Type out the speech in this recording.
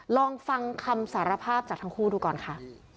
ลองฟังคำสารภาพจากทั้งคู่ดูก่อนค่ะ